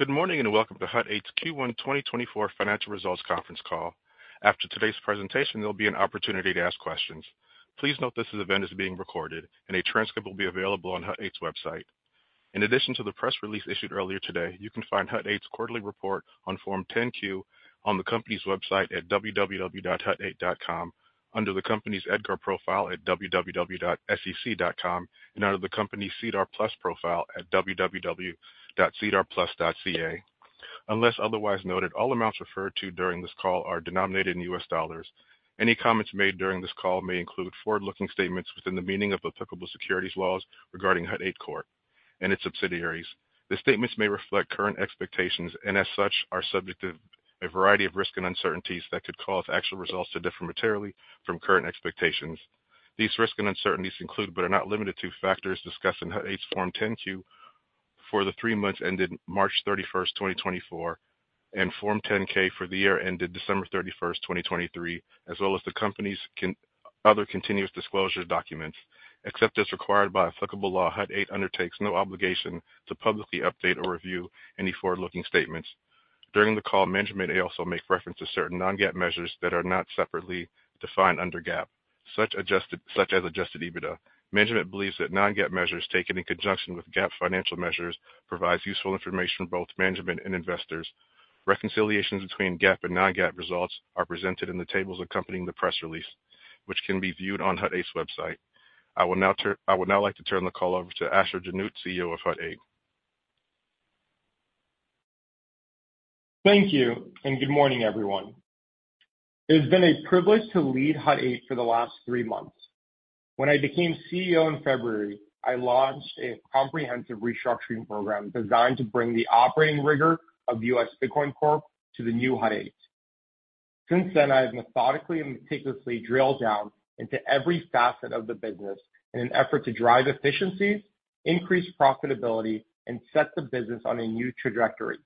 Good morning and welcome to Hut 8's Q1 2024 Financial Results Conference Call. After today's presentation, there'll be an opportunity to ask questions. Please note this event is being recorded, and a transcript will be available on Hut 8's website. In addition to the press release issued earlier today, you can find Hut 8's quarterly report on Form 10-Q on the company's website at www.hut8.com, under the company's EDGAR profile at www.sec.com, and under the company's SEDAR+ profile at www.sedarplus.ca. Unless otherwise noted, all amounts referred to during this call are denominated in U.S. dollars. Any comments made during this call may include forward-looking statements within the meaning of applicable securities laws regarding Hut 8 Corp. and its subsidiaries. The statements may reflect current expectations and, as such, are subject to a variety of risk and uncertainties that could cause actual results to differ materially from current expectations. These risks and uncertainties include but are not limited to factors discussed in Hut 8's Form 10-Q for the three months ended March 31, 2024, and Form 10-K for the year ended December 31, 2023, as well as the company's other continuous disclosure documents. Except as required by applicable law, Hut 8 undertakes no obligation to publicly update or review any forward-looking statements. During the call, management may also make reference to certain non-GAAP measures that are not separately defined under GAAP, such as adjusted EBITDA. Management believes that non-GAAP measures taken in conjunction with GAAP financial measures provide useful information for both management and investors. Reconciliations between GAAP and non-GAAP results are presented in the tables accompanying the press release, which can be viewed on Hut 8's website. I would now like to turn the call over to Asher Genoot, CEO of Hut 8. Thank you, and good morning, everyone. It has been a privilege to lead Hut 8 for the last three months. When I became CEO in February, I launched a comprehensive restructuring program designed to bring the operating rigor of U.S. Bitcoin Corp to the new Hut 8. Since then, I have methodically and meticulously drilled down into every facet of the business in an effort to drive efficiency, increase profitability, and set the business on a new trajectory.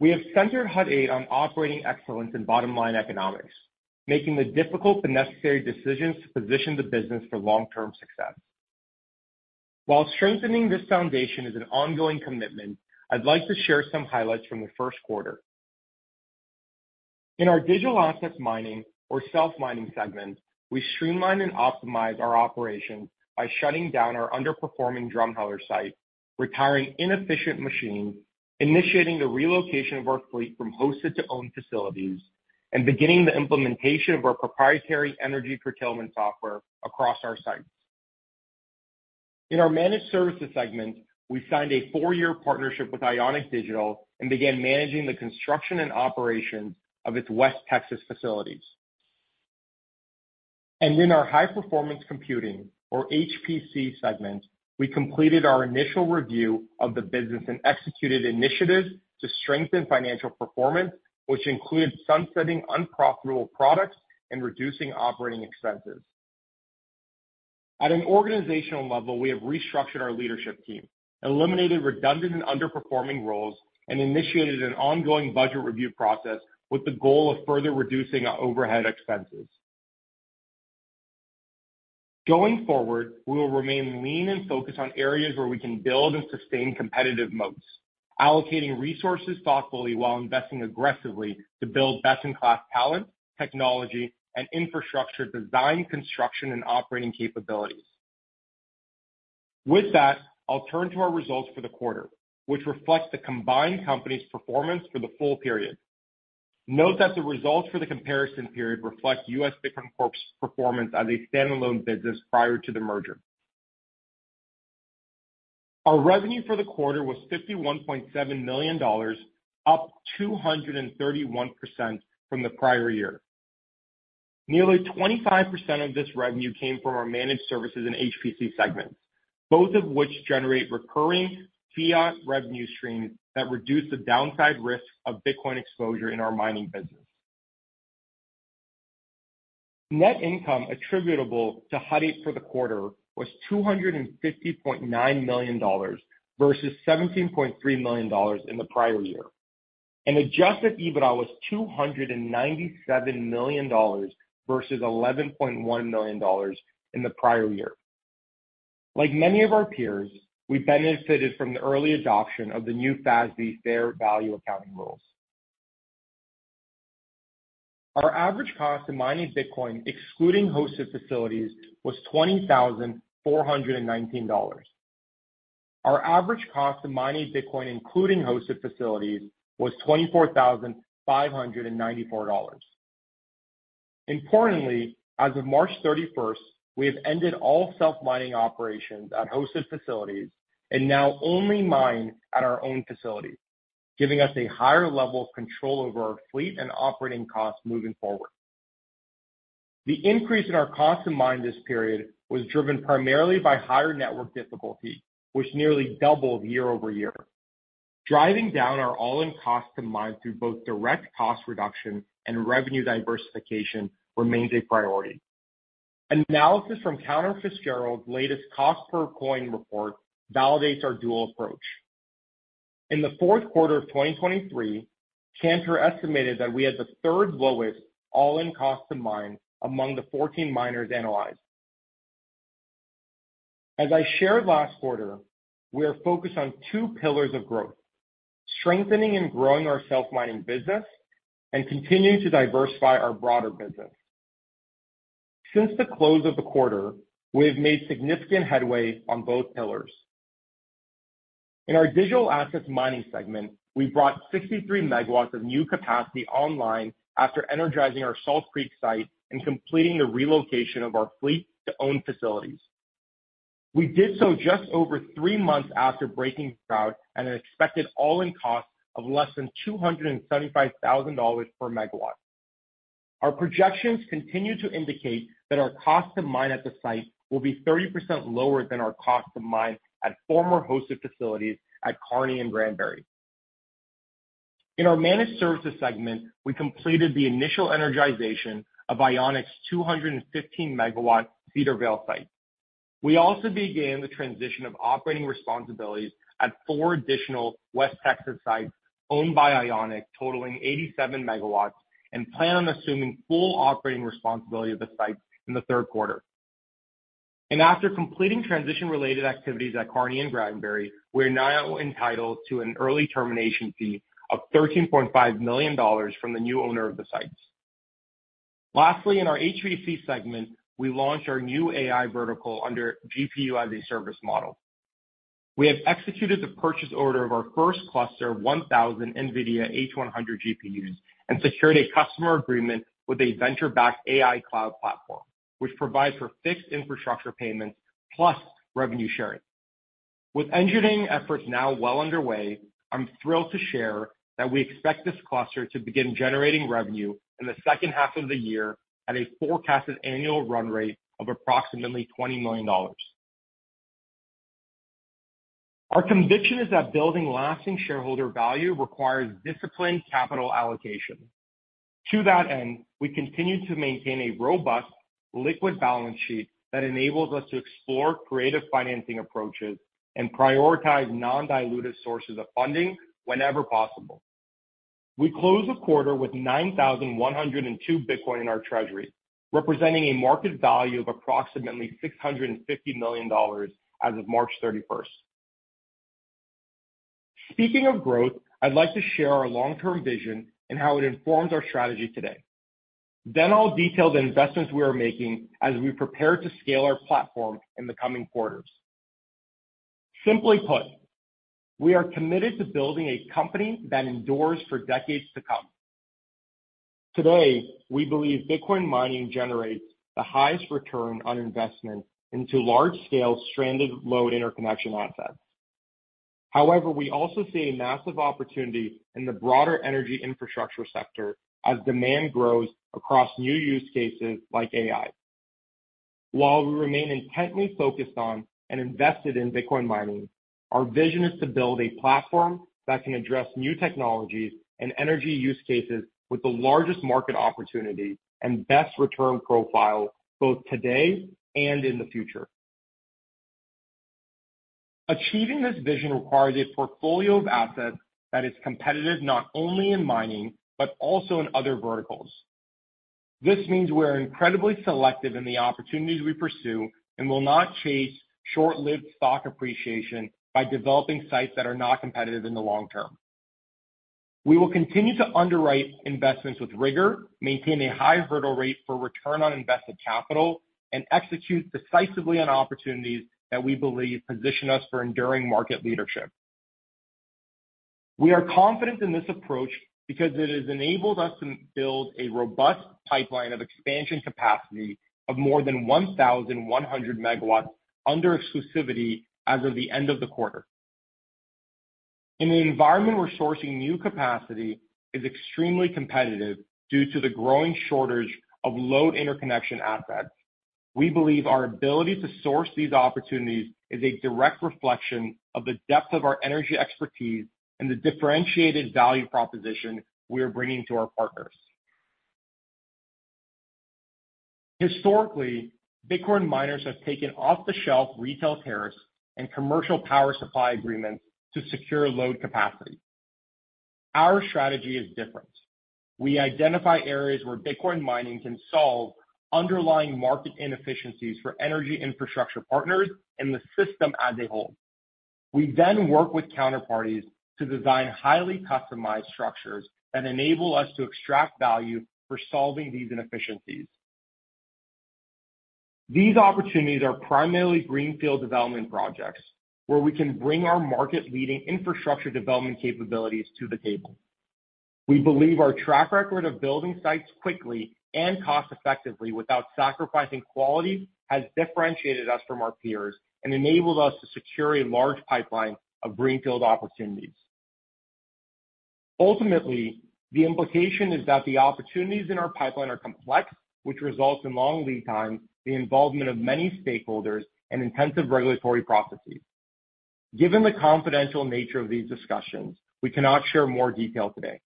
We have centered Hut 8 on operating excellence and bottom-line economics, making the difficult but necessary decisions to position the business for long-term success. While strengthening this foundation is an ongoing commitment, I'd like to share some highlights from the first quarter. In our digital assets mining, or self-mining, segment, we streamlined and optimized our operations by shutting down our underperforming Drumheller site, retiring inefficient machines, initiating the relocation of our fleet from hosted-to-owned facilities, and beginning the implementation of our proprietary energy curtailment software across our site. In our managed services segment, we signed a four-year partnership with Ionic Digital and began managing the construction and operations of its West Texas facilities. In our high-performance computing, or HPC, segment, we completed our initial review of the business and executed initiatives to strengthen financial performance, which included sunsetting unprofitable products and reducing operating expenses. At an organizational level, we have restructured our leadership team, eliminated redundant and underperforming roles, and initiated an ongoing budget review process with the goal of further reducing overhead expenses. Going forward, we will remain lean and focus on areas where we can build and sustain competitive moats, allocating resources thoughtfully while investing aggressively to build best-in-class talent, technology, and infrastructure design, construction, and operating capabilities. With that, I'll turn to our results for the quarter, which reflect the combined company's performance for the full period. Note that the results for the comparison period reflect U.S. Bitcoin Corp's performance as a standalone business prior to the merger. Our revenue for the quarter was $51.7 million, up 231% from the prior year. Nearly 25% of this revenue came from our managed services and HPC segments, both of which generate recurring fiat revenue streams that reduce the downside risk of Bitcoin exposure in our mining business. Net income attributable to Hut 8 for the quarter was $250.9 million versus $17.3 million in the prior year, and Adjusted EBITDA was $297 million versus $11.1 million in the prior year. Like many of our peers, we benefited from the early adoption of the new FASB fair value accounting rules. Our average cost to mining Bitcoin, excluding hosted facilities, was $20,419. Our average cost to mining Bitcoin, including hosted facilities, was $24,594. Importantly, as of March 31, we have ended all self-mining operations at hosted facilities and now only mine at our own facilities, giving us a higher level of control over our fleet and operating costs moving forward. The increase in our cost to mine this period was driven primarily by higher network difficulty, which nearly doubled year-over-year. Driving down our all-in cost to mine through both direct cost reduction and revenue diversification remains a priority. An analysis from Cantor Fitzgerald's latest cost per coin report validates our dual approach. In the fourth quarter of 2023, Cantor estimated that we had the third lowest all-in cost to mine among the 14 miners analyzed. As I shared last quarter, we are focused on two pillars of growth: strengthening and growing our self-mining business and continuing to diversify our broader business. Since the close of the quarter, we have made significant headway on both pillars. In our digital assets mining segment, we brought 63 MW of new capacity online after energizing our Salt Creek site and completing the relocation of our fleet-to-owned facilities. We did so just over three months after breaking ground at an expected all-in cost of less than $275,000 per MW. Our projections continue to indicate that our cost to mine at the site will be 30% lower than our cost to mine at former hosted facilities at Kearney and Granbury. In our managed services segment, we completed the initial energization of Ionic's 215-megawatt Cedarvale site. We also began the transition of operating responsibilities at four additional West Texas sites owned by Ionic, totaling 87 megawatts, and plan on assuming full operating responsibility of the site in the third quarter. After completing transition-related activities at Kearney and Granbury, we are now entitled to an early termination fee of $13.5 million from the new owner of the sites. Lastly, in our HPC segment, we launched our new AI vertical under GPU as a service model. We have executed the purchase order of our first cluster of 1,000 NVIDIA H100 GPUs and secured a customer agreement with a venture-backed AI cloud platform, which provides for fixed infrastructure payments plus revenue sharing. With engineering efforts now well underway, I'm thrilled to share that we expect this cluster to begin generating revenue in the second half of the year at a forecasted annual run rate of approximately $20 million. Our conviction is that building lasting shareholder value requires disciplined capital allocation. To that end, we continue to maintain a robust, liquid balance sheet that enables us to explore creative financing approaches and prioritize non-dilutive sources of funding whenever possible. We closed the quarter with 9,102 Bitcoin in our treasury, representing a market value of approximately $650 million as of March 31. Speaking of growth, I'd like to share our long-term vision and how it informs our strategy today. Then I'll detail the investments we are making as we prepare to scale our platform in the coming quarters. Simply put, we are committed to building a company that endures for decades to come. Today, we believe Bitcoin mining generates the highest return on investment into large-scale stranded-load interconnection assets. However, we also see a massive opportunity in the broader energy infrastructure sector as demand grows across new use cases like AI. While we remain intently focused on and invested in Bitcoin mining, our vision is to build a platform that can address new technologies and energy use cases with the largest market opportunity and best return profile both today and in the future. Achieving this vision requires a portfolio of assets that is competitive not only in mining but also in other verticals. This means we are incredibly selective in the opportunities we pursue and will not chase short-lived stock appreciation by developing sites that are not competitive in the long term. We will continue to underwrite investments with rigor, maintain a high hurdle rate for return on invested capital, and execute decisively on opportunities that we believe position us for enduring market leadership. We are confident in this approach because it has enabled us to build a robust pipeline of expansion capacity of more than 1,100 MW under exclusivity as of the end of the quarter. In the environment we're sourcing new capacity is extremely competitive due to the growing shortage of load interconnection assets. We believe our ability to source these opportunities is a direct reflection of the depth of our energy expertise and the differentiated value proposition we are bringing to our partners. Historically, Bitcoin miners have taken off-the-shelf retail tariffs and commercial power supply agreements to secure load capacity. Our strategy is different. We identify areas where Bitcoin mining can solve underlying market inefficiencies for energy infrastructure partners and the system as a whole. We then work with counterparties to design highly customized structures that enable us to extract value for solving these inefficiencies. These opportunities are primarily greenfield development projects where we can bring our market-leading infrastructure development capabilities to the table. We believe our track record of building sites quickly and cost-effectively without sacrificing quality has differentiated us from our peers and enabled us to secure a large pipeline of greenfield opportunities. Ultimately, the implication is that the opportunities in our pipeline are complex, which results in long lead times, the involvement of many stakeholders, and intensive regulatory processes. Given the confidential nature of these discussions, we cannot share more detail today.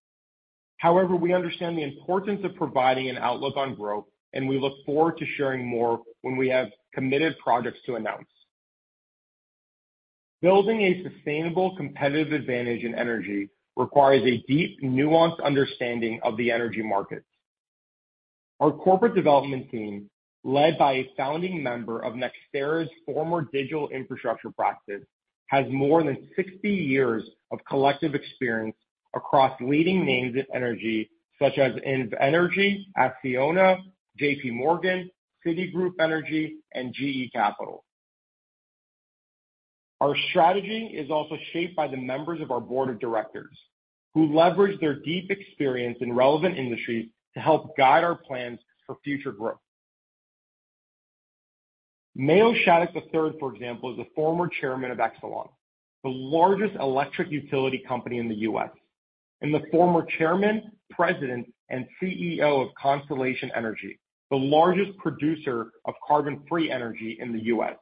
However, we understand the importance of providing an outlook on growth, and we look forward to sharing more when we have committed projects to announce. Building a sustainable competitive advantage in energy requires a deep, nuanced understanding of the energy market. Our corporate development team, led by a founding member of NextEra's former digital infrastructure practice, has more than 60 years of collective experience across leading names in energy such as Invenergy, Acciona, J.P. Morgan, Citigroup Energy, and GE Capital. Our strategy is also shaped by the members of our board of directors, who leverage their deep experience in relevant industries to help guide our plans for future growth. Mayo Shattuck, for example, is the former chairman of Exelon, the largest electric utility company in the U.S., and the former chairman, president, and CEO of Constellation Energy, the largest producer of carbon-free energy in the U.S.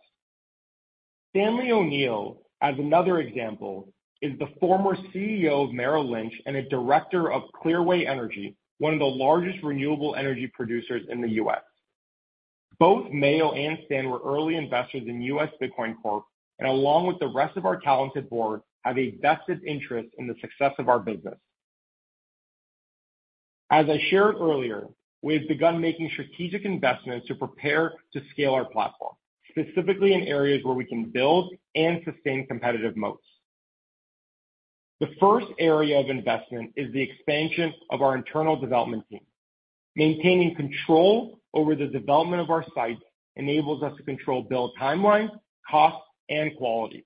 Stanley O'Neal, as another example, is the former CEO of Merrill Lynch and a director of Clearway Energy, one of the largest renewable energy producers in the U.S. Both Mayo and Stan were early investors in U.S. Bitcoin Corp, and along with the rest of our talented board, have a vested interest in the success of our business. As I shared earlier, we have begun making strategic investments to prepare to scale our platform, specifically in areas where we can build and sustain competitive moats. The first area of investment is the expansion of our internal development team. Maintaining control over the development of our sites enables us to control build timelines, costs, and quality.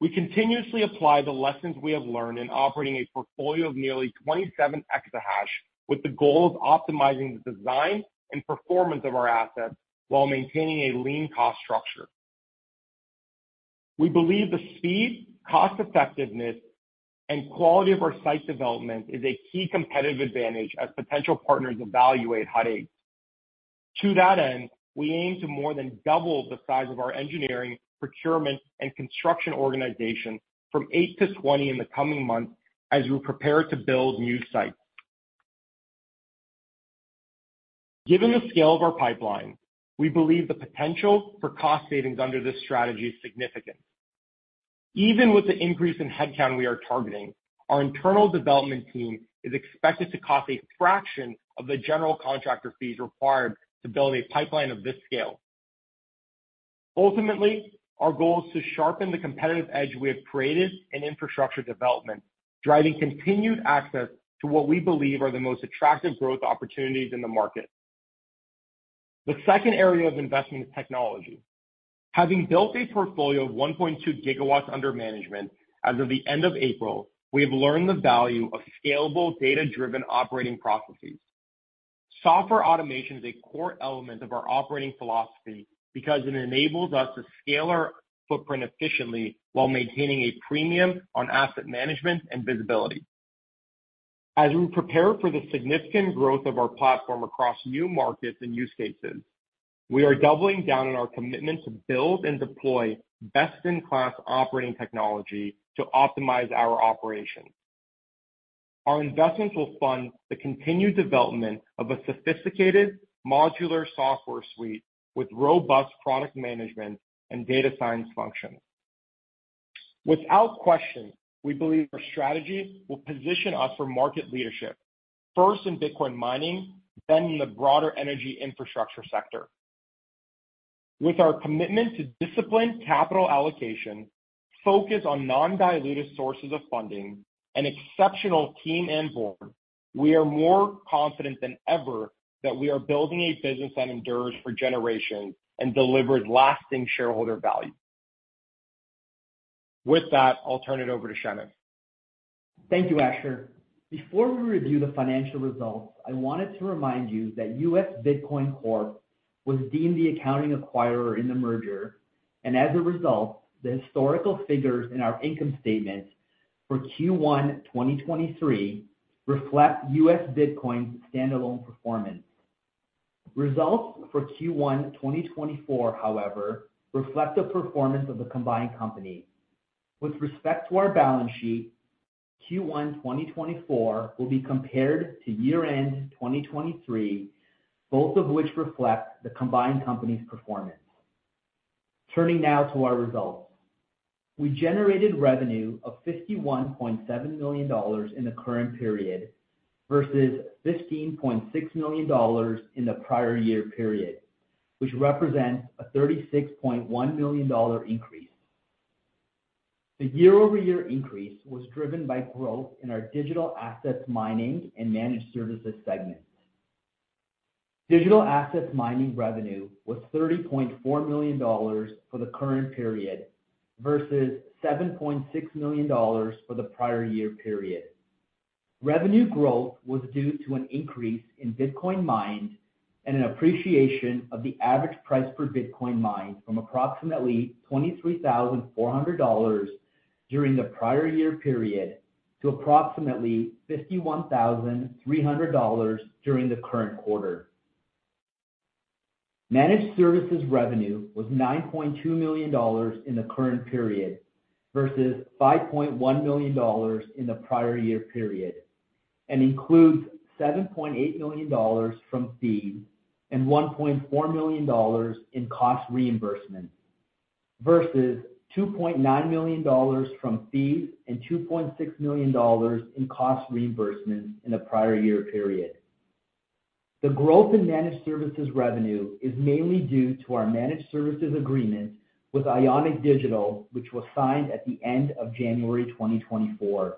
We continuously apply the lessons we have learned in operating a portfolio of nearly 27 exahashes with the goal of optimizing the design and performance of our assets while maintaining a lean cost structure. We believe the speed, cost-effectiveness, and quality of our site development is a key competitive advantage as potential partners evaluate Hut 8. To that end, we aim to more than double the size of our engineering, procurement, and construction organization from 8 to 20 in the coming months as we prepare to build new sites. Given the scale of our pipeline, we believe the potential for cost savings under this strategy is significant. Even with the increase in headcount we are targeting, our internal development team is expected to cost a fraction of the general contractor fees required to build a pipeline of this scale. Ultimately, our goal is to sharpen the competitive edge we have created in infrastructure development, driving continued access to what we believe are the most attractive growth opportunities in the market. The second area of investment is technology. Having built a portfolio of 1.2 GW under management as of the end of April, we have learned the value of scalable, data-driven operating processes. Software automation is a core element of our operating philosophy because it enables us to scale our footprint efficiently while maintaining a premium on asset management and visibility. As we prepare for the significant growth of our platform across new markets and use cases, we are doubling down on our commitment to build and deploy best-in-class operating technology to optimize our operations. Our investments will fund the continued development of a sophisticated, modular software suite with robust product management and data science functions. Without question, we believe our strategy will position us for market leadership, first in Bitcoin mining, then in the broader energy infrastructure sector. With our commitment to disciplined capital allocation, focus on non-dilutive sources of funding, and exceptional team and board, we are more confident than ever that we are building a business that endures for generations and delivers lasting shareholder value. With that, I'll turn it over to Shannon. Thank you, Asher. Before we review the financial results, I wanted to remind you that U.S. Bitcoin Corp was deemed the accounting acquirer in the merger, and as a result, the historical figures in our income statements for Q1 2023 reflect U.S. Bitcoin's standalone performance. Results for Q1 2024, however, reflect the performance of the combined company. With respect to our balance sheet, Q1 2024 will be compared to year-end 2023, both of which reflect the combined company's performance. Turning now to our results. We generated revenue of $51.7 million in the current period versus $15.6 million in the prior year period, which represents a $36.1 million increase. The year-over-year increase was driven by growth in our digital assets mining and managed services segments. Digital assets mining revenue was $30.4 million for the current period versus $7.6 million for the prior year period. Revenue growth was due to an increase in Bitcoin mined and an appreciation of the average price per Bitcoin mined from approximately $23,400 during the prior year period to approximately $51,300 during the current quarter. Managed services revenue was $9.2 million in the current period versus $5.1 million in the prior year period, and includes $7.8 million from fees and $1.4 million in cost reimbursement versus $2.9 million from fees and $2.6 million in cost reimbursement in the prior year period. The growth in managed services revenue is mainly due to our managed services agreement with Ionic Digital, which was signed at the end of January 2024.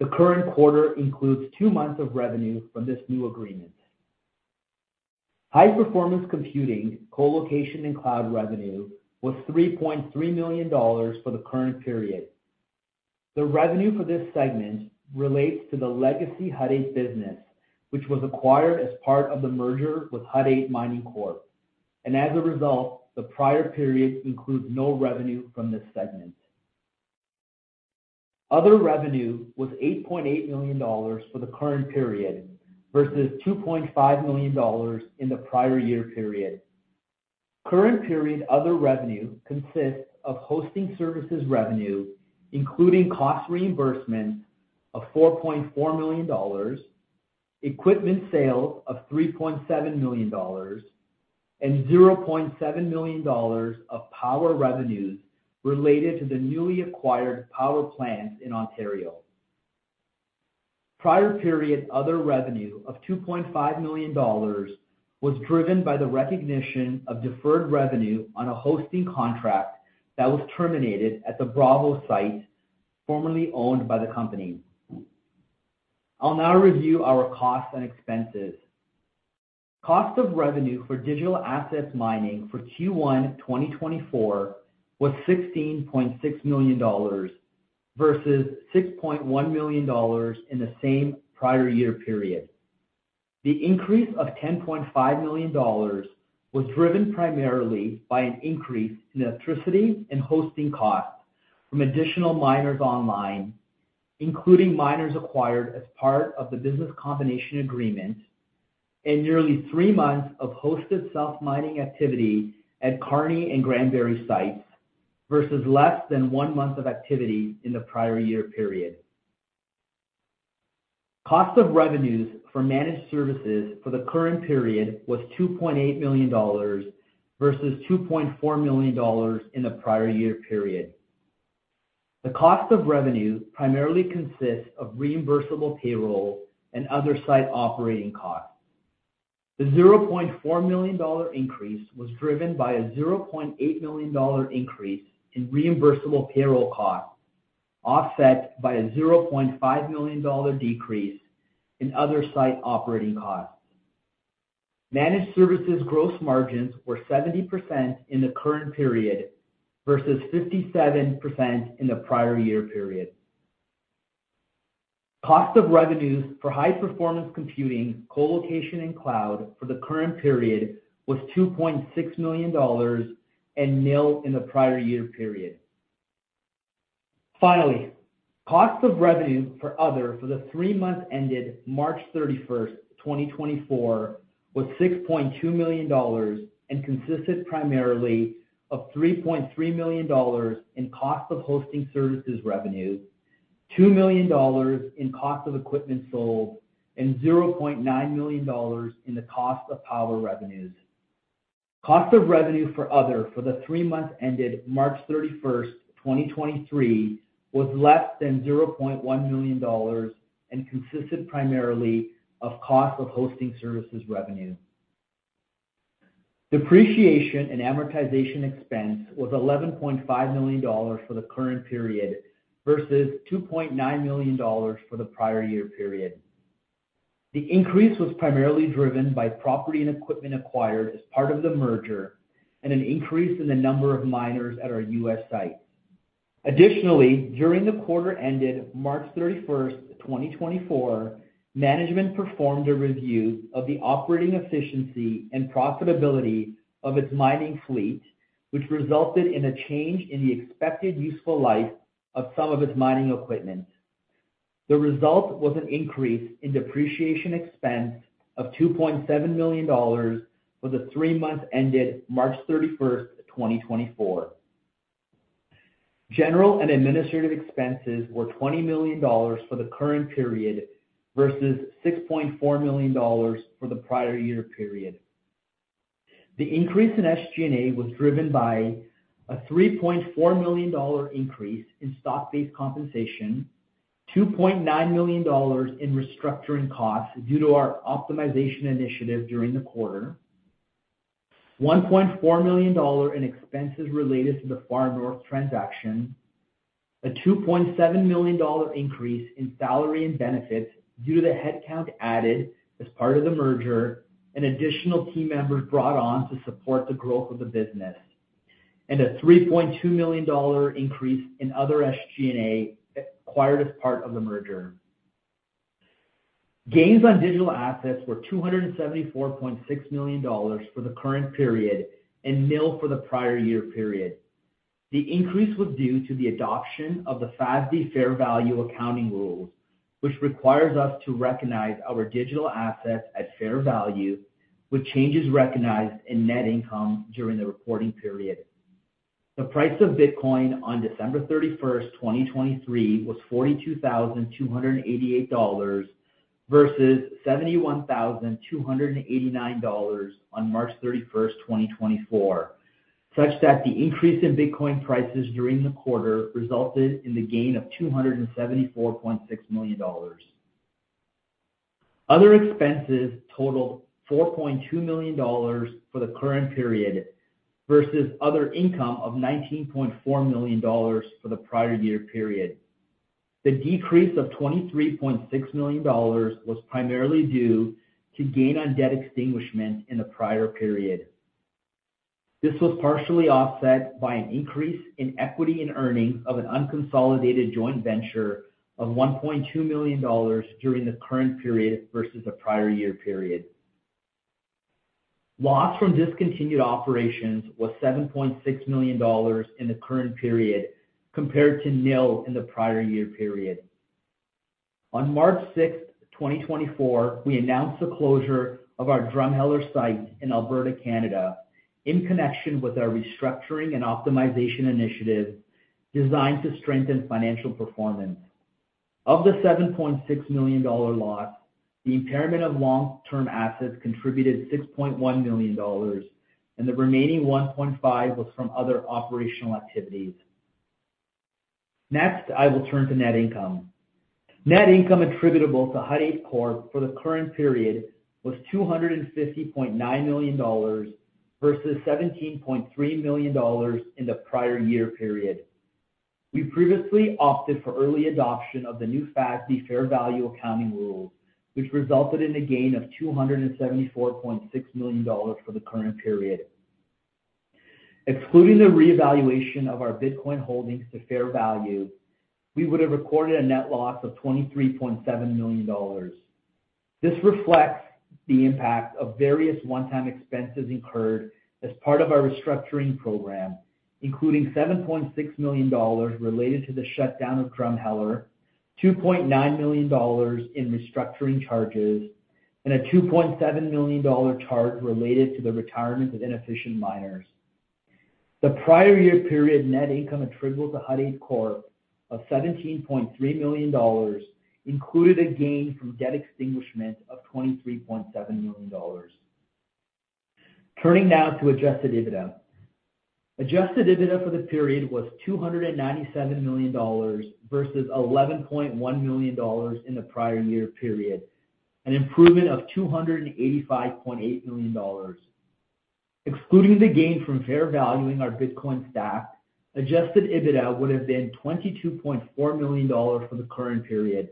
The current quarter includes two months of revenue from this new agreement. High-performance computing, colocation, and cloud revenue was $3.3 million for the current period. The revenue for this segment relates to the legacy Hut 8 business, which was acquired as part of the merger with Hut 8 Mining Corp, and as a result, the prior period includes no revenue from this segment. Other revenue was $8.8 million for the current period versus $2.5 million in the prior year period. Current period other revenue consists of hosting services revenue, including cost reimbursement of $4.4 million, equipment sale of $3.7 million, and $0.7 million of power revenue related to the newly acquired power plants in Ontario. Prior period other revenue of $2.5 million was driven by the recognition of deferred revenue on a hosting contract that was terminated at the Bravo site, formerly owned by the company. I'll now review our costs and expenses. Cost of revenue for digital assets mining for Q1 2024 was $16.6 million versus $6.1 million in the same prior year period. The increase of $10.5 million was driven primarily by an increase in electricity and hosting costs from additional miners online, including miners acquired as part of the business combination agreement, and nearly three months of hosted self-mining activity at Kearney and Granbury sites versus less than one month of activity in the prior year period. Cost of revenues for managed services for the current period was $2.8 million versus $2.4 million in the prior year period. The cost of revenue primarily consists of reimbursable payroll and other site operating costs. The $0.4 million increase was driven by a $0.8 million increase in reimbursable payroll costs, offset by a $0.5 million decrease in other site operating costs. Managed services gross margins were 70% in the current period versus 57% in the prior year period. Cost of revenues for high-performance computing, colocation, and cloud for the current period was $2.6 million and nil in the prior year period. Finally, cost of revenue for other for the three months ended March 31, 2024, was $6.2 million and consisted primarily of $3.3 million in cost of hosting services revenues, $2 million in cost of equipment sold, and $0.9 million in the cost of power revenues. Cost of revenue for other for the three months ended March 31, 2023, was less than $0.1 million and consisted primarily of cost of hosting services revenues. Depreciation and amortization expense was $11.5 million for the current period versus $2.9 million for the prior year period. The increase was primarily driven by property and equipment acquired as part of the merger and an increase in the number of miners at our U.S. site. Additionally, during the quarter ended March 31, 2024, management performed a review of the operating efficiency and profitability of its mining fleet, which resulted in a change in the expected useful life of some of its mining equipment. The result was an increase in depreciation expense of $2.7 million for the three months ended March 31, 2024. General and administrative expenses were $20 million for the current period versus $6.4 million for the prior year period. The increase in SG&A was driven by a $3.4 million increase in stock-based compensation, $2.9 million in restructuring costs due to our optimization initiative during the quarter, $1.4 million in expenses related to the Far North transaction, a $2.7 million increase in salary and benefits due to the headcount added as part of the merger and additional team members brought on to support the growth of the business, and a $3.2 million increase in other SG&A acquired as part of the merger. Gains on digital assets were $274.6 million for the current period and nil for the prior year period. The increase was due to the adoption of the FASB fair value accounting rule, which requires us to recognize our digital assets at fair value with changes recognized in net income during the reporting period. The price of Bitcoin on December 31, 2023, was $42,288 versus $71,289 on March 31, 2024, such that the increase in Bitcoin prices during the quarter resulted in the gain of $274.6 million. Other expenses totaled $4.2 million for the current period versus other income of $19.4 million for the prior year period. The decrease of $23.6 million was primarily due to gain on debt extinguishment in the prior period. This was partially offset by an increase in equity and earnings of an unconsolidated joint venture of $1.2 million during the current period versus the prior year period. Loss from discontinued operations was $7.6 million in the current period compared to nil in the prior year period. On March 6, 2024, we announced the closure of our Drumheller site in Alberta, Canada, in connection with our restructuring and optimization initiative designed to strengthen financial performance. Of the $7.6 million loss, the impairment of long-term assets contributed $6.1 million, and the remaining $1.5 million was from other operational activities. Next, I will turn to net income. Net income attributable to Hut 8 Corp for the current period was $250.9 million versus $17.3 million in the prior year period. We previously opted for early adoption of the new FASB Fair Value Accounting Rule, which resulted in a gain of $274.6 million for the current period. Excluding the reevaluation of our Bitcoin holdings to fair value, we would have recorded a net loss of $23.7 million. This reflects the impact of various one-time expenses incurred as part of our restructuring program, including $7.6 million related to the shutdown of Drumheller, $2.9 million in restructuring charges, and a $2.7 million charge related to the retirement of inefficient miners. The prior year period net income attributable to Hut 8 Corp of $17.3 million included a gain from debt extinguishment of $23.7 million. Turning now to Adjusted EBITDA. Adjusted EBITDA for the period was $297 million versus $11.1 million in the prior year period, an improvement of $285.8 million. Excluding the gain from fair valuing our Bitcoin stack, Adjusted EBITDA would have been $22.4 million for the current period.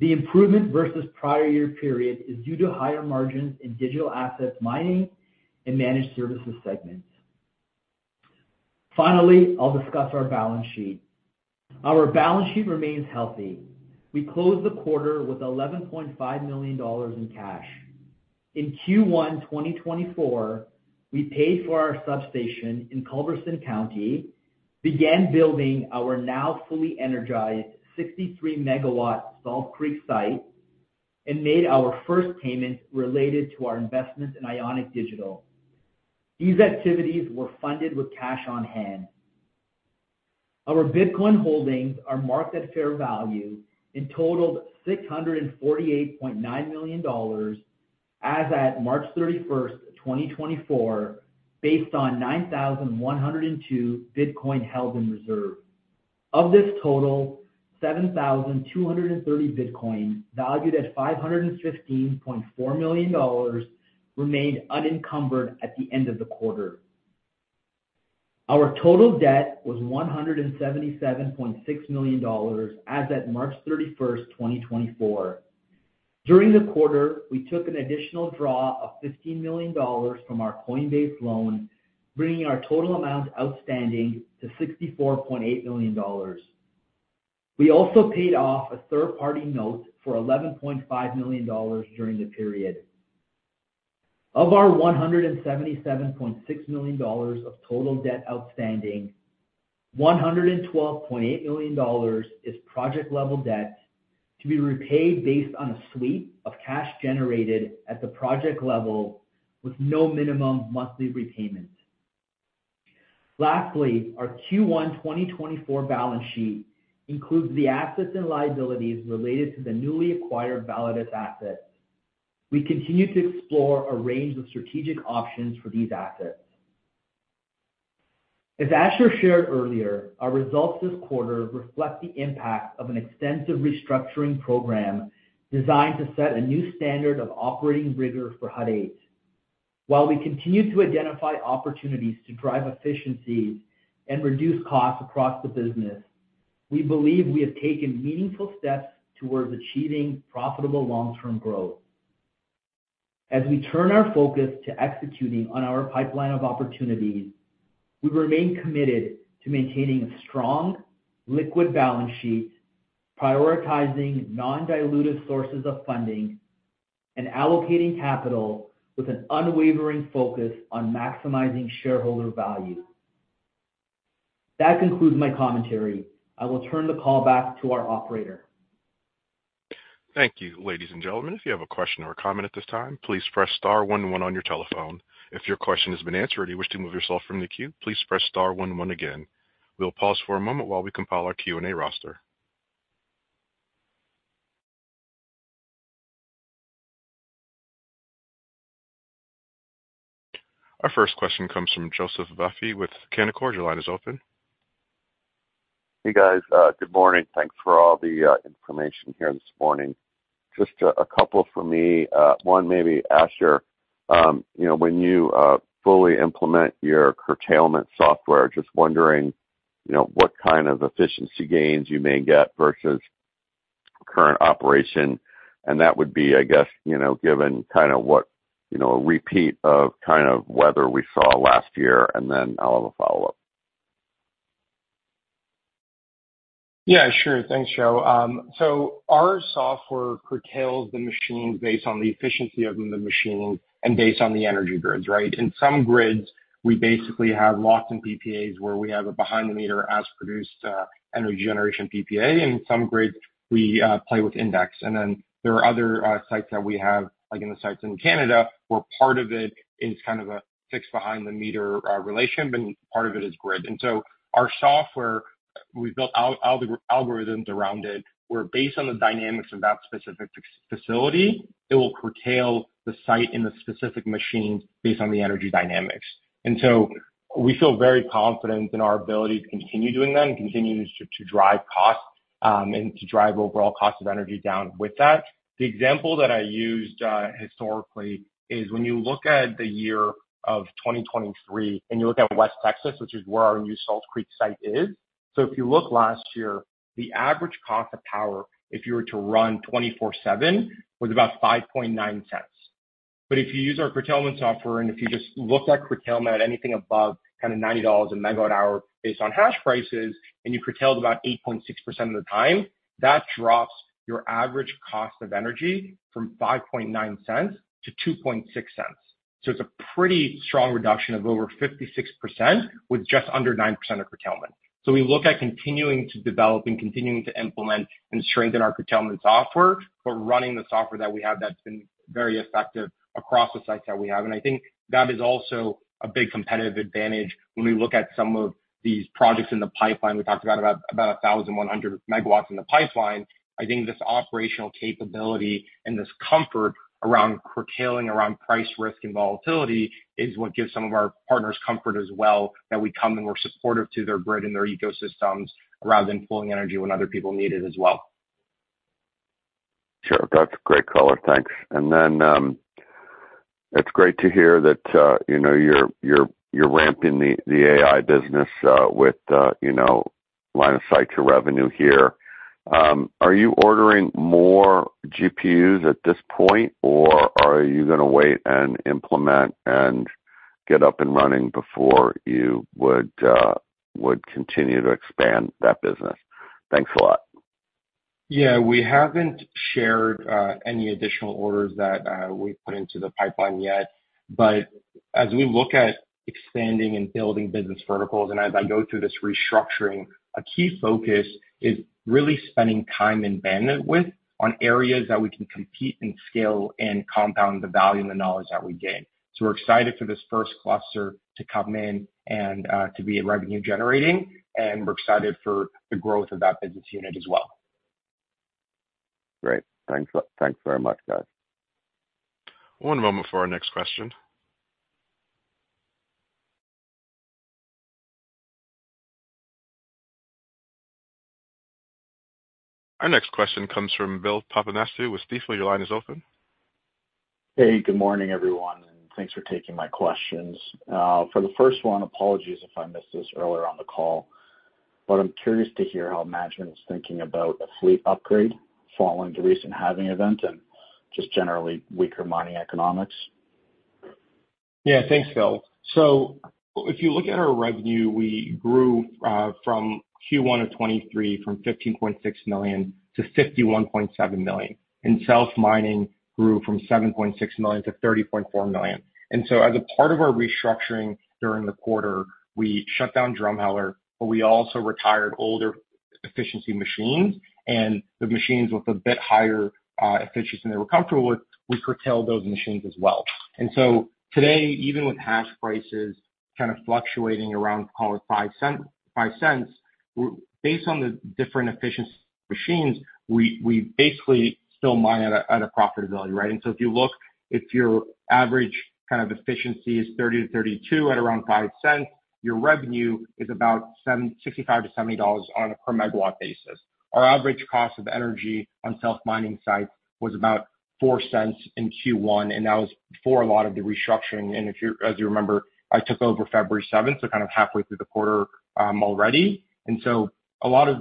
The improvement versus prior year period is due to higher margins in digital assets mining and managed services segments. Finally, I'll discuss our balance sheet. Our balance sheet remains healthy. We closed the quarter with $11.5 million in cash. In Q1 2024, we paid for our substation in Culberson County, began building our now fully energized 63-MW Salt Creek site, and made our first payments related to our investments in Ionic Digital. These activities were funded with cash on hand. Our Bitcoin holdings are marked at fair value and totaled $648.9 million as at March 31, 2024, based on 9,102 Bitcoin held in reserve. Of this total, 7,230 Bitcoin valued at $515.4 million remained unencumbered at the end of the quarter. Our total debt was $177.6 million as at March 31, 2024. During the quarter, we took an additional draw of $15 million from our Coinbase loan, bringing our total amount outstanding to $64.8 million. We also paid off a third-party note for $11.5 million during the period. Of our $177.6 million of total debt outstanding, $112.8 million is project-level debt to be repaid based on a sweep of cash generated at the project level with no minimum monthly repayment. Lastly, our Q1 2024 balance sheet includes the assets and liabilities related to the newly acquired Validus asset. We continue to explore a range of strategic options for these assets. As Asher shared earlier, our results this quarter reflect the impact of an extensive restructuring program designed to set a new standard of operating rigor for Hut 8. While we continue to identify opportunities to drive efficiency and reduce costs across the business, we believe we have taken meaningful steps towards achieving profitable long-term growth. As we turn our focus to executing on our pipeline of opportunities, we remain committed to maintaining a strong, liquid balance sheet, prioritizing non-dilutive sources of funding, and allocating capital with an unwavering focus on maximizing shareholder value. That concludes my commentary. I will turn the call back to our operator. Thank you. Ladies and gentlemen, if you have a question or a comment at this time, please press *1 1 on your telephone. If your question has been answered or you wish to move yourself from the queue, please press * 1 1 again. We'll pause for a moment while we compile our Q&A roster. Our first question comes from Joseph Vafi with Canaccord. Your line is open. Hey guys, good morning. Thanks for all the information here this morning. Just a couple for me. One, maybe Asher, when you fully implement your curtailment software, just wondering what kind of efficiency gains you may get versus current operation. And that would be, I guess, given kind of a repeat of kind of weather we saw last year, and then I'll have a follow-up. Yeah, sure. Thanks, Joe. So, our software curtails the machines based on the efficiency of the machines and based on the energy grids, right? In some grids, we basically have lots of PPAs where we have a behind-the-meter as-produced energy generation PPA. In some grids, we play with index. And then there are other sites that we have, like in the sites in Canada, where part of it is kind of a fixed behind-the-meter relation, but part of it is grid. And so, our software, we've built algorithms around it where, based on the dynamics of that specific facility, it will curtail the site and the specific machines based on the energy dynamics. And so, we feel very confident in our ability to continue doing that and continue to drive costs and to drive overall cost of energy down with that. The example that I used historically is when you look at the year of 2023 and you look at West Texas, which is where our new Salt Creek site is. So, if you look last year, the average cost of power, if you were to run 24/7, was about $0.059. But if you use our curtailment software and if you just look at curtailment at anything above kind of $90/MWh based on hash prices, and you curtailed about 8.6% of the time, that drops your average cost of energy from $0.059 to $0.026. So, it's a pretty strong reduction of over 56% with just under 9% of curtailment. So, we look at continuing to develop and continuing to implement and strengthen our curtailment software, but running the software that we have that's been very effective across the sites that we have. I think that is also a big competitive advantage when we look at some of these projects in the pipeline. We talked about 1,100 MW in the pipeline. I think this operational capability and this comfort around curtailing, around price risk and volatility is what gives some of our partners comfort as well that we come and we're supportive to their grid and their ecosystems rather than pulling energy when other people need it as well. Sure. That's a great color. Thanks. And then it's great to hear that you're ramping the AI business with line of sight to revenue here. Are you ordering more GPUs at this point, or are you going to wait and implement and get up and running before you would continue to expand that business? Thanks a lot. Yeah, we haven't shared any additional orders that we put into the pipeline yet. But as we look at expanding and building business verticals, and as I go through this restructuring, a key focus is really spending time and bandwidth on areas that we can compete and scale and compound the value and the knowledge that we gain. So we're excited for this first cluster to come in and to be revenue-generating, and we're excited for the growth of that business unit as well. Great. Thanks very much, guys. One moment for our next question. Our next question comes from Bill Papanastasiou. At this time, while your line is open. Hey, good morning, everyone, and thanks for taking my questions. For the first one, apologies if I missed this earlier on the call, but I'm curious to hear how management is thinking about a fleet upgrade following the recent halving event and just generally weaker mining economics. Yeah, thanks, Phil. So, if you look at our revenue, we grew from Q1 of 2023 from $15.6 million to $51.7 million. Self-mining grew from $7.6 million to $30.4 million. So, as a part of our restructuring during the quarter, we shut down Drumheller, but we also retired older efficiency machines. The machines with a bit higher efficiency than they were comfortable with, we curtailed those machines as well. So today, even with hash prices kind of fluctuating around, call it, $0.05, based on the different efficiency machines, we are basically still mine at a profitability, right? If you look, if your average kind of efficiency is 30-32 at around $0.05, your revenue is about $65-$70 on a per-megawatt basis. Our average cost of energy on self-mining sites was about $0.04 in Q1, and that was before a lot of the restructuring. As you remember, I took over February 7th, so kind of halfway through the quarter already. So, a lot of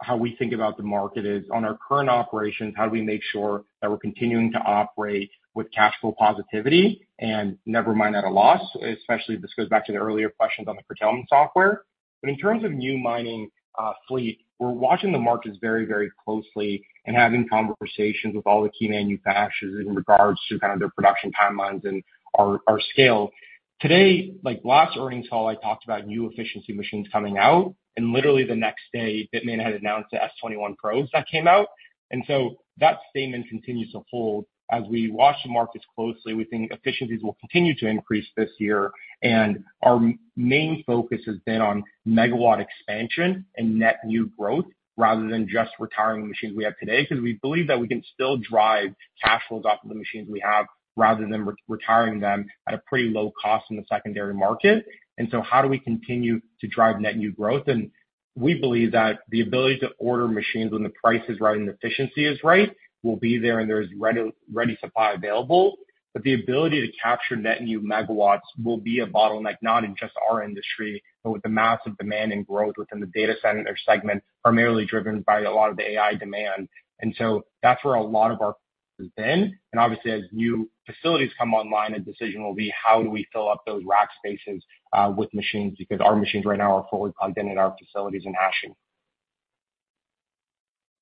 how we think about the market is on our current operations, how do we make sure that we're continuing to operate with cash flow positivity and never mine at a loss, especially this goes back to the earlier questions on the curtailment software. But in terms of new mining fleet, we're watching the markets very, very closely and having conversations with all the key manufacturers in regard to kind of their production timelines and our scale. Today, last earnings call, I talked about new efficiency machines coming out, and literally the next day, Bitmain had announced the S21 Pros that came out. So that statement continues to hold. As we watch the markets closely, we think efficiencies will continue to increase this year. Our main focus has been on megawatt expansion and net new growth rather than just retiring the machines we have today because we believe that we can still drive cash flow off of the machines we have rather than retiring them at a pretty low cost in the secondary market. So how do we continue to drive net new growth? We believe that the ability to order machines when the price is right and the efficiency is right will be there, and there's ready supply available. But the ability to capture net new megawatts will be a bottleneck, not in just our industry, but with the massive demand and growth within the data center segment, primarily driven by a lot of the AI demand. That's where a lot of our focus has been. Obviously, as new facilities come online, a decision will be how do we fill up those rack spaces with machines because our machines right now are fully plugged in in our facilities in hashing.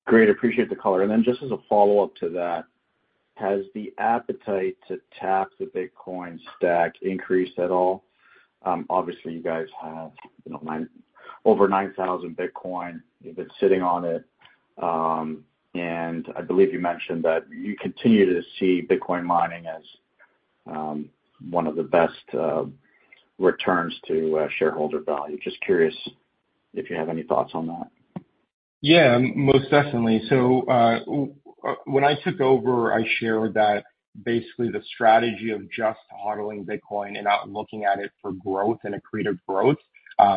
Great. Appreciate the color. And then just as a follow-up to that, has the appetite to tap the Bitcoin stack increased at all? Obviously, you guys have over 9,000 Bitcoin. You've been sitting on it. And I believe you mentioned that you continue to see Bitcoin mining as one of the best returns to shareholder value. Just curious if you have any thoughts on that. Yeah, most definitely. So, when I took over, I shared that basically the strategy of just hodling Bitcoin and looking at it for growth and a creative growth has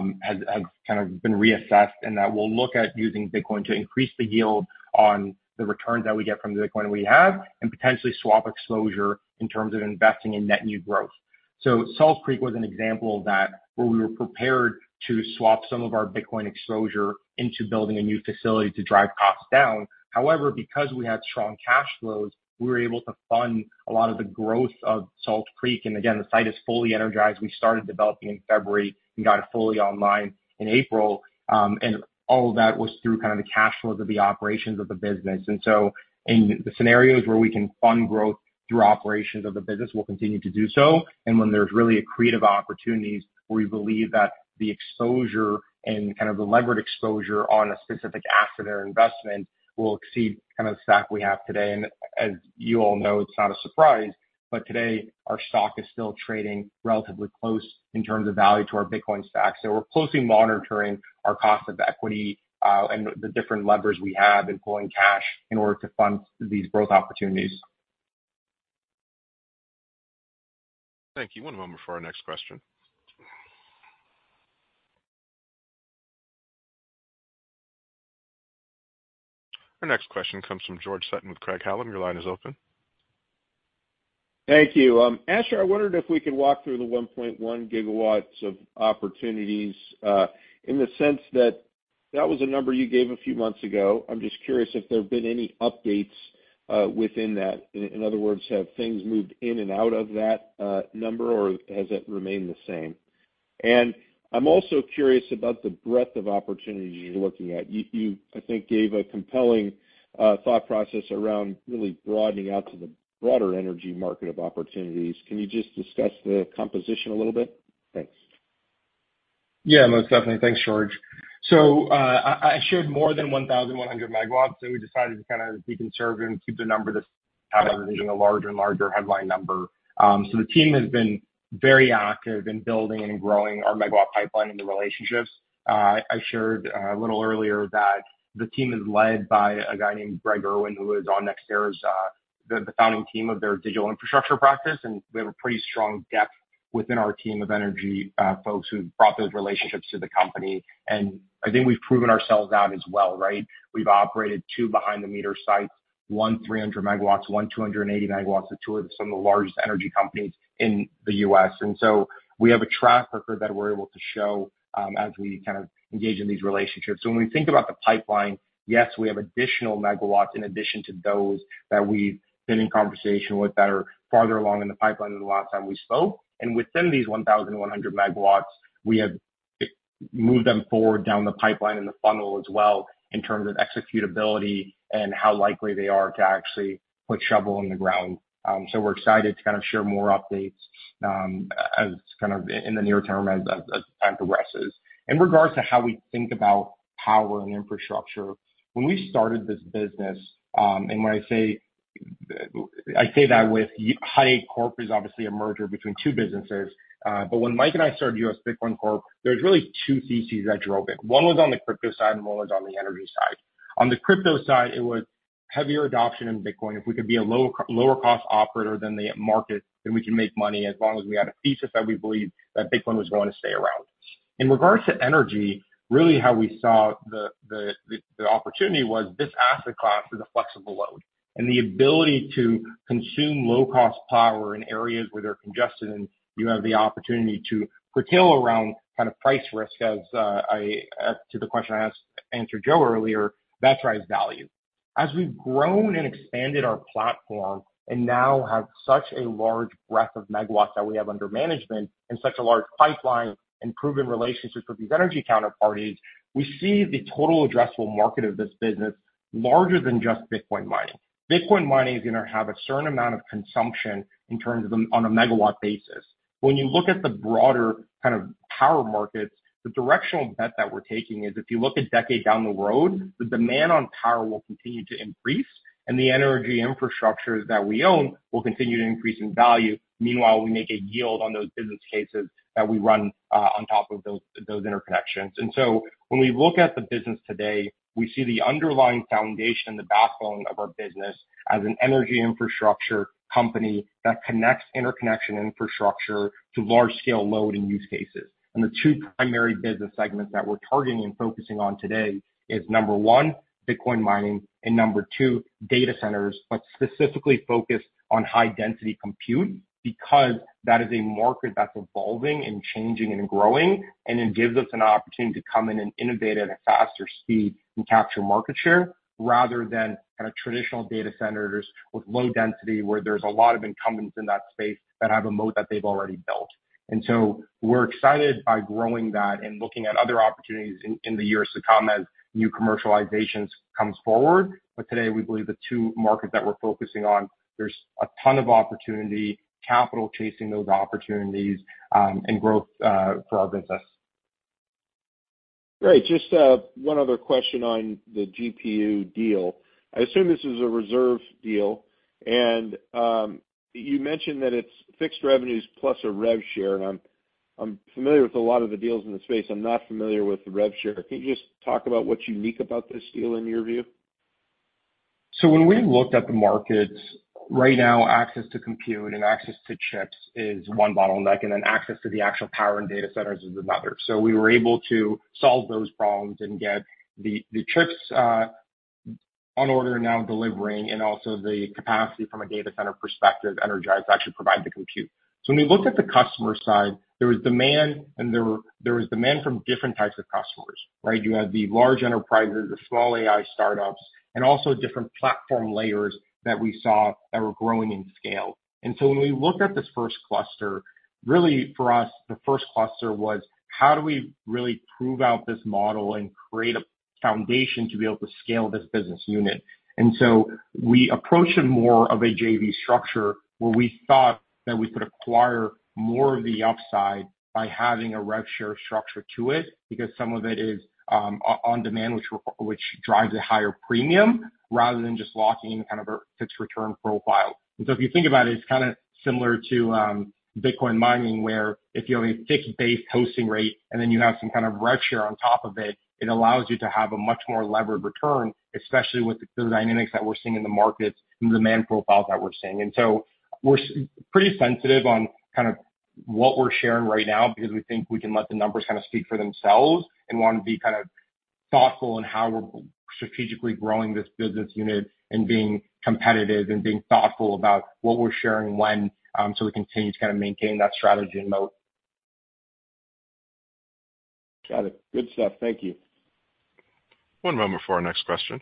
kind of been reassessed, and that we'll look at using Bitcoin to increase the yield on the returns that we get from the Bitcoin we have and potentially swap exposure in terms of investing in net new growth. So, Salt Creek was an example of that where we were prepared to swap some of our Bitcoin exposure into building a new facility to drive costs down. However, because we had strong cash flows, we were able to fund a lot of the growth of Salt Creek. And again, the site is fully energized. We started developing in February and got it fully online in April. All of that was through kind of the cash flows of the operations of the business. So, in the scenarios where we can fund growth through operations of the business, we'll continue to do so. And when there's really a creative opportunity where we believe that the exposure and kind of the levered exposure on a specific asset or investment will exceed kind of the stack we have today. And as you all know, it's not a surprise, but today our stock is still trading relatively close in terms of value to our Bitcoin stack. So, we're closely monitoring our cost of equity and the different levers we have in pulling cash in order to fund these growth opportunities. Thank you. One moment for our next question. Our next question comes from George Sutton with Craig-Hallum. Your line is open. Thank you. Asher, I wondered if we could walk through the 1.1 GW of opportunities in the sense that that was a number you gave a few months ago. I'm just curious if there have been any updates within that. In other words, have things moved in and out of that number, or has it remained the same? And I'm also curious about the breadth of opportunities you're looking at. You, I think, gave a compelling thought process around really broadening out to the broader energy market of opportunities. Can you just discuss the composition a little bit? Thanks. Yeah, most definitely. Thanks, George. So, I shared more than 1,100 MW, so we decided to kind of be conservative and keep the number this time out of reaching a larger and larger headline number. So, the team has been very active in building and growing our MW pipeline and the relationships. I shared a little earlier that the team is led by a guy named Greg Irwin, who is on NextEra's founding team of their digital infrastructure practice. And we have a pretty strong depth within our team of energy folks who've brought those relationships to the company. And I think we've proven ourselves out as well, right? We've operated two behind-the-meter sites, one 300 MW, one 280 MW, with two of some of the largest energy companies in the U.S. And so, we have a track record that we're able to show as we kind of engage in these relationships. So, when we think about the pipeline, yes, we have additional megawatts in addition to those that we've been in conversation with that are farther along in the pipeline than the last time we spoke. And within these 1,100 megawatts, we have moved them forward down the pipeline and the funnel as well in terms of executability and how likely they are to actually put shovel in the ground. So, we're excited to kind of share more updates as kind of in the near term as time progresses. In regard to how we think about power and infrastructure, when we started this business, and when I say that with Hut 8 Corp. is obviously a merger between two businesses, but when Mike and I started U.S. Bitcoin Corp., there's really two theses that drove it. One was on the crypto side, and one was on the energy side. On the crypto side, it was heavier adoption in Bitcoin. If we could be a lower-cost operator than the market, then we can make money as long as we had a thesis that we believed that Bitcoin was going to stay around. In regard to energy, really how we saw the opportunity was this asset class is a flexible load. The ability to consume low-cost power in areas where they're congested, and you have the opportunity to curtail around kind of price risk, as to the question I asked Andrew Joe earlier, that drives value. As we've grown and expanded our platform and now have such a large breadth of megawatts that we have under management and such a large pipeline and proven relationships with these energy counterparties, we see the total addressable market of this business larger than just Bitcoin mining. Bitcoin mining is going to have a certain amount of consumption in terms of on a megawatt basis. When you look at the broader kind of power market, the directional bet that we're taking is if you look a decade down the road, the demand on power will continue to increase, and the energy infrastructures that we own will continue to increase in value. Meanwhile, we make a yield on those business cases that we run on top of those interconnections. And so, when we look at the business today, we see the underlying foundation and the backbone of our business as an energy infrastructure company that connects interconnection infrastructure to large-scale load and use cases. And the two primary business segments that we're targeting and focusing on today is, number one, Bitcoin mining, and number two, data centers, but specifically focused on high-density compute because that is a market that's evolving and changing and growing, and it gives us an opportunity to come in and innovate at a faster speed and capture market share rather than kind of traditional data centers with low density where there's a lot of incumbents in that space that have a moat that they've already built. So, we're excited by growing that and looking at other opportunities in the years to come as new commercialization's come forward. Today, we believe the two markets that we're focusing on, there's a ton of opportunity, capital chasing those opportunities, and growth for our business. Great. Just one other question on the GPU deal. I assume this is a reserve deal. And you mentioned that it's fixed revenues plus a rev share. And I'm familiar with a lot of the deals in the space. I'm not familiar with the rev share. Can you just talk about what's unique about this deal in your view? So, when we looked at the markets, right now, access to compute and access to chips is one bottleneck and then access to the actual power and data centers is another. So, we were able to solve those problems and get the chips on order now delivering and also the capacity from a data center perspective, energized, to actually provide the compute. So, when we looked at the customer side, there was demand, and there was demand from different types of customers, right? You had the large enterprises, the small AI startups, and also different platform layers that we saw that were growing in scale. And so, when we looked at this first cluster, really for us, the first cluster was how do we really prove out this model and create a foundation to be able to scale this business unit? And so we approached it more of a JV structure where we thought that we could acquire more of the upside by having a rev share structure to it because some of it is on demand, which drives a higher premium rather than just locking in kind of a fixed return profile. And so if you think about it, it's kind of similar to Bitcoin mining where if you have a fixed-based hosting rate and then you have some kind of rev share on top of it, it allows you to have a much more levered return, especially with the dynamics that we're seeing in the markets and the demand profile that we're seeing. And so we're pretty sensitive on kind of what we're sharing right now because we think we can let the numbers kind of speak for themselves and want to be kind of thoughtful in how we're strategically growing this business unit and being competitive and being thoughtful about what we're sharing when, so we continue to kind of maintain that strategy and moat. Got it. Good stuff. Thank you. One moment for our next question.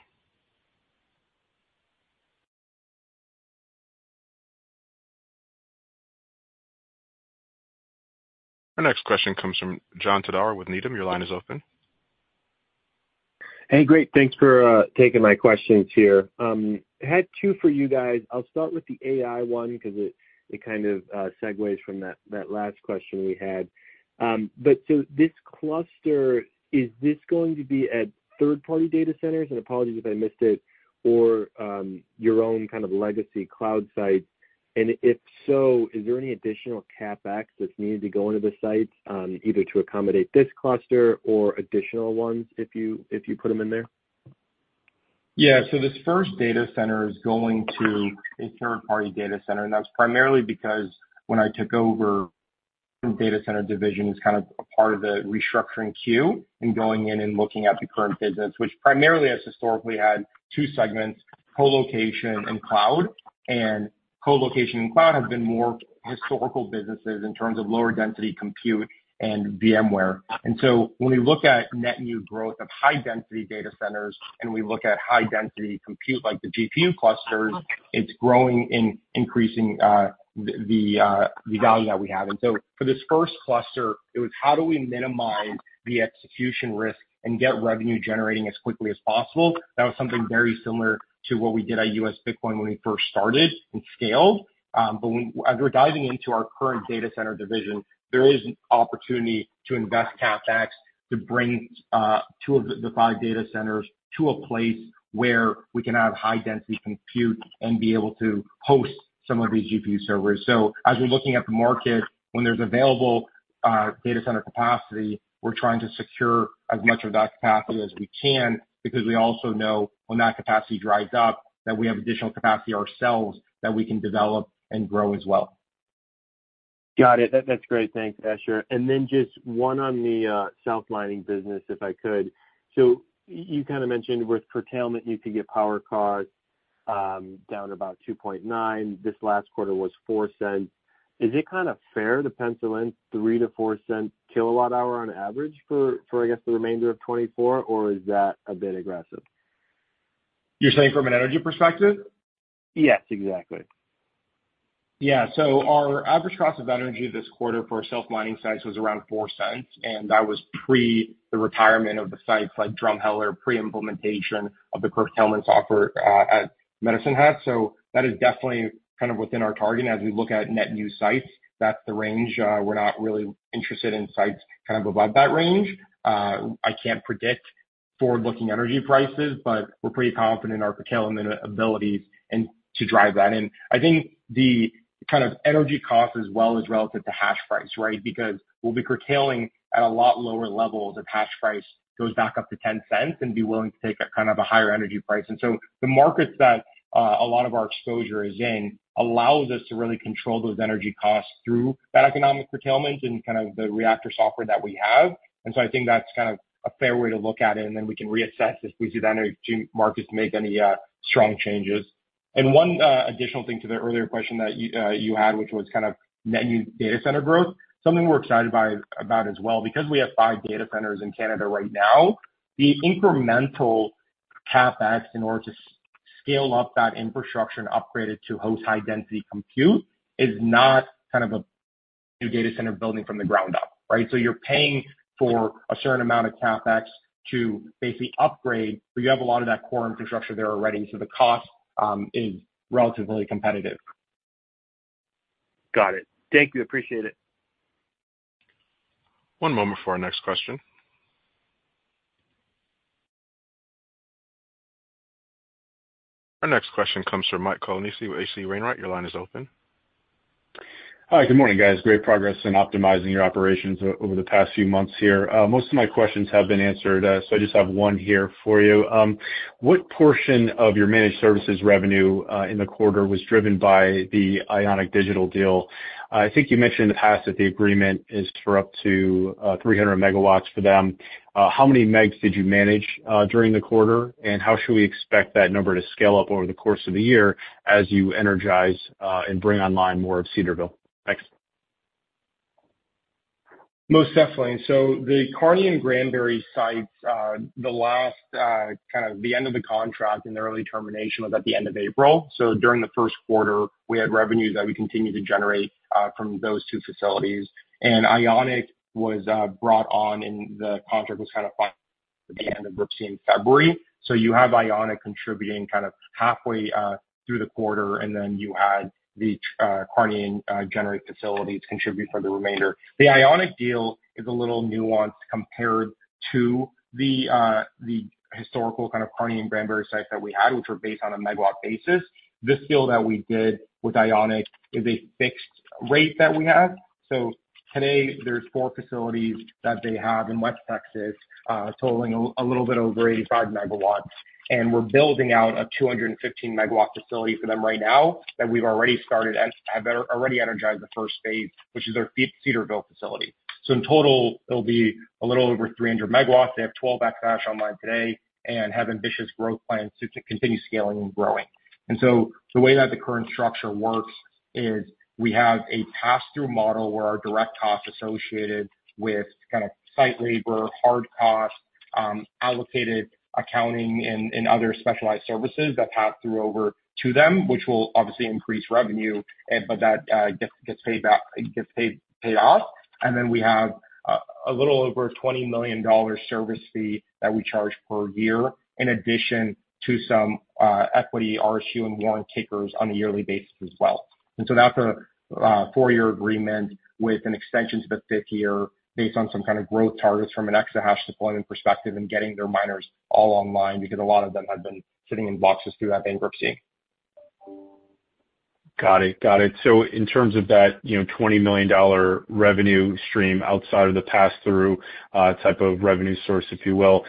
Our next question comes from John Todaro with Needham. Your line is open. Hey, great. Thanks for taking my questions here. I had two for you guys. I'll start with the AI one because it kind of segues from that last question we had. But so this cluster, is this going to be at third-party data centers? And apologies if I missed it, or your own kind of legacy cloud sites? And if so, is there any additional CapEx that's needed to go into the sites, either to accommodate this cluster or additional ones if you put them in there? Yeah. So, this first data center is going to a third-party data center. And that's primarily because when I took over the data center division, it's kind of part of the restructuring queue and going in and looking at the current business, which primarily has historically had two segments, colocation and cloud. And colocation and cloud have been more historical businesses in terms of lower-density compute and VMware. And so, when we look at net new growth of high-density data centers and we look at high-density compute like the GPU clusters, it's growing and increasing the value that we have. And so, for this first cluster, it was how do we minimize the execution risk and get revenue generating as quickly as possible? That was something very similar to what we did at U.S. Bitcoin when we first started and scaled. As we're diving into our current data center division, there is an opportunity to invest CapEx to bring two of the five data centers to a place where we can have high-density compute and be able to host some of these GPU servers. As we're looking at the market, when there's available data center capacity, we're trying to secure as much of that capacity as we can because we also know when that capacity dries up, that we have additional capacity ourselves that we can develop and grow as well. Got it. That's great. Thanks, Asher. And then just one on the self-mining business, if I could. So you kind of mentioned with curtailment, you could get power costs down to about $0.029. This last quarter was $0.04. Is it kind of fair to pencil in $0.03-$0.04/kWh on average for, I guess, the remainder of 2024, or is that a bit aggressive? You're saying from an energy perspective? Yes, exactly. Yeah. So, our average cost of energy this quarter for our self-mining sites was around $0.04, and that was pre the retirement of the sites like Drumheller, pre-implementation of the curtailment software at Medicine Hat. So that is definitely kind of within our target. And as we look at net new sites, that's the range. We're not really interested in sites kind of above that range. I can't predict forward-looking energy prices, but we're pretty confident in our curtailment ability to drive that. And I think the kind of energy cost as well is relative to hash price, right? Because we'll be curtailing at a lot lower levels if hash price goes back up to $0.10 and be willing to take kind of a higher energy price. And so, the markets that a lot of our exposure is in allows us to really control those energy costs through that economic curtailment and kind of the Reactor software that we have. And so, I think that's kind of a fair way to look at it. And then we can reassess if we see the energy markets make any strong changes. And one additional thing to the earlier question that you had, which was kind of net new data center growth, something we're excited about as well. Because we have five data centers in Canada right now, the incremental CapEx in order to scale up that infrastructure, upgrade it to host high-density compute, is not kind of a new data center building from the ground up, right? So, you're paying for a certain amount of CapEx to basically upgrade, but you have a lot of that core infrastructure there already. So, the cost is relatively competitive. Got it. Thank you. Appreciate it. One moment for our next question. Our next question comes from Mike Colonnese with H.C. Wainwright & Co. Your line is open. Hi. Good morning, guys. Great progress in optimizing your operations over the past few months here. Most of my questions have been answered, so I just have one here for you. What portion of your managed services revenue in the quarter was driven by the Ionic Digital deal? I think you mentioned in the past that the agreement is for up to 300 MW for them. How many megs did you manage during the quarter, and how should we expect that number to scale up over the course of the year as you energize and bring online more of Cedarvale? Thanks. Most definitely. So, the Kearney and Granbury sites, the last kind of the end of the contract and the early termination was at the end of April. So, during the first quarter, we had revenue that we continued to generate from those two facilities. And Ionic was brought on, and the contract was kind of finalized at the end of this same February. So, you have Ionic contributing kind of halfway through the quarter, and then you had the Kearney and Granbury facilities contribute for the remainder. The Ionic deal is a little nuanced compared to the historical kind of Kearney and Granbury sites that we had, which were based on a megawatt basis. This deal that we did with Ionic is a fixed rate that we have. So today, there's four facilities that they have in West Texas, totaling a little bit over 85 MW. We're building out a 215-megawatt facility for them right now that we've already started and have already energized the first phase, which is their Cedarvale facility. In total, it'll be a little over 300 megawatts. They have 12 EH online today and have ambitious growth plans to continue scaling and growing. The way that the current structure works is we have a pass-through model where our direct costs associated with kind of site labor, hard costs, allocated accounting, and other specialized services that pass through over to them, which will obviously increase revenue, but that gets paid off. Then we have a little over $20 million service fee that we charge per year in addition to some equity, RSU, and warrant kickers on a yearly basis as well. That's a four-year agreement with an extension to the fifth year based on some kind of growth targets from an exahash deployment perspective and getting their miners all online because a lot of them have been sitting in boxes through that bankruptcy. Got it. Got it. So, in terms of that $20 million revenue stream outside of the pass-through type of revenue source, if you will,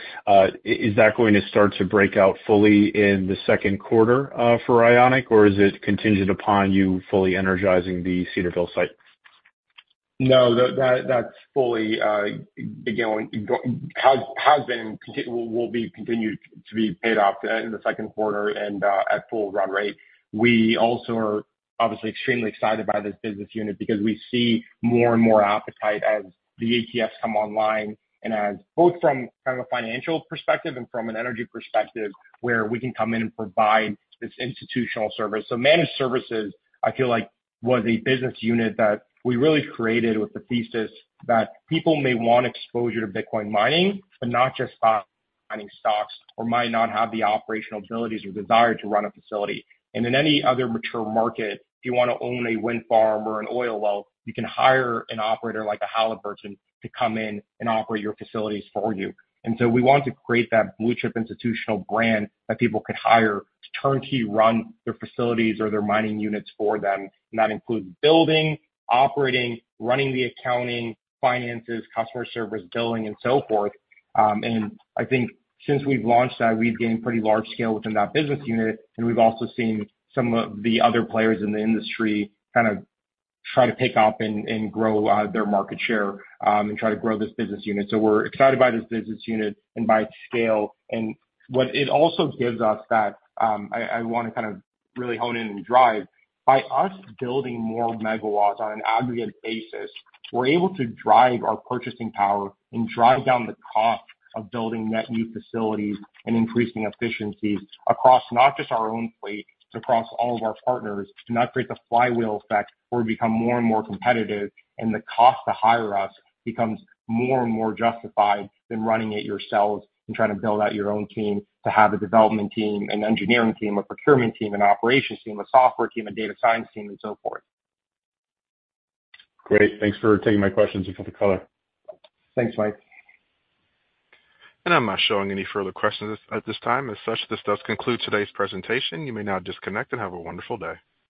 is that going to start to break out fully in the second quarter for Ionic, or is it contingent upon you fully energizing the Cedarvale site? No, that's fully will be continued to be paid off in the second quarter and at full run rate. We also are obviously extremely excited by this business unit because we see more and more appetite as the ETFs come online and as both from kind of a financial perspective and from an energy perspective where we can come in and provide this institutional service. So managed services, I feel like, was a business unit that we really created with the thesis that people may want exposure to Bitcoin mining but not just buying stocks or might not have the operational abilities or desire to run a facility. And in any other mature market, if you want to own a wind farm or an oil well, you can hire an operator like a Halliburton to come in and operate your facilities for you. And so, we want to create that blue chip institutional brand that people could hire to turnkey, run their facilities or their mining units for them. And that includes building, operating, running the accounting, finances, customer service, billing, and so forth. And I think since we've launched that, we've gained pretty large scale within that business unit. And we've also seen some of the other players in the industry kind of try to pick up and grow their market share and try to grow this business unit. So, we're excited by this business unit and by its scale. And what it also gives us that I want to kind of really home in and drive. By us building more megawatts on an aggregate basis, we're able to drive our purchasing power and drive down the cost of building net new facilities and increasing efficiencies across not just our own fleet, but across all of our partners to not create the flywheel effect where we become more and more competitive and the cost to hire us becomes more and more justified than running it yourselves and trying to build out your own team to have a development team, an engineering team, a procurement team, an operations team, a software team, a data science team, and so forth. Great. Thanks for taking my questions and for the color. Thanks, Mike. I'm not showing any further questions at this time. As such, this does conclude today's presentation. You may now disconnect and have a wonderful day.